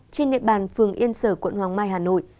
trên địa bàn phường yên sở quận hoàng mai hà nội